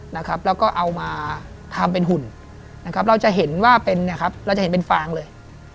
แล้วก็เอามาทำเป็นหุ่นเราจะเห็นว่าเป็นเราจะเห็นเป็นฟางเลย